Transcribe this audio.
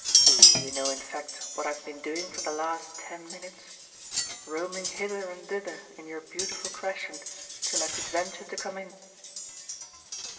Do you know in fact what I've been doing for the last ten minutes? Roaming hither and thither in your beautiful Crescent till I could venture to come in."